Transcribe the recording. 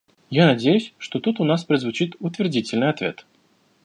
Я надеюсь, что тут у нас прозвучит утвердительный ответ.